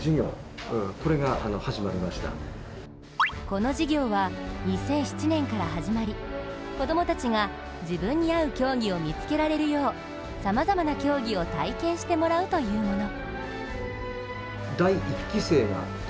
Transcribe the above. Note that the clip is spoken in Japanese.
この事業は、２００７年から始まり子供たちが自分に合う競技を見つけられるようさまざまな競技を体験してもらうというもの。